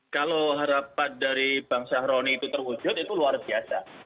kalau harapan dari bang syahroni itu terwujud itu luar biasa